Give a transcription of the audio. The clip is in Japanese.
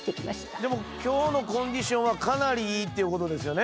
じゃあ今日のコンディションはかなりいいってことですよね。